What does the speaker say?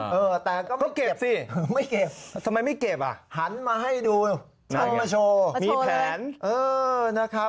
เออแต่ก็ไม่เก็บไม่เก็บทำไมไม่เก็บอ่ะ